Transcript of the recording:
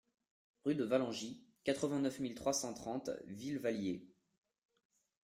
Rue de Vallangis, quatre-vingt-neuf mille trois cent trente Villevallier